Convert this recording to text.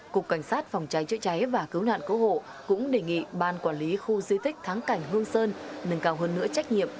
cục cảnh sát phòng cháy chữa cháy và cứu nạn cứu hộ cũng đề nghị ban quản lý khu di tích thắng cảnh hương sơn nâng cao hơn nữa trách nhiệm